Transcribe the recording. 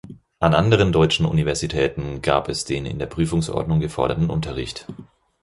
An anderen deutschen Universitäten gab es den in der Prüfungsordnung geforderten Unterricht.